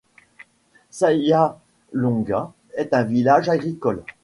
Sayalonga est un village agricole.